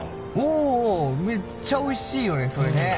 おめっちゃおいしいよねそれね。